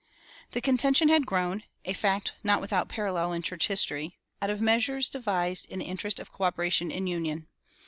The contention had grown (a fact not without parallel in church history) out of measures devised in the interest of coöperation and union.